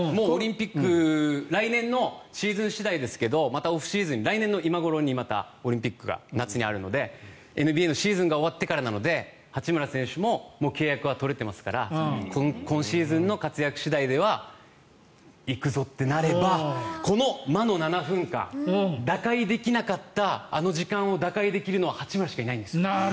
来年のシーズン次第ですけどまたオフシーズンに来年の今頃にオリンピックが夏にあるのでＮＢＡのシーズンが終わってからなので八村選手も契約は取れてますから今シーズンの活躍次第では行くぞってなればこの魔の７分間打開できなかったあの時間を打開できるのは八村しかいないんです。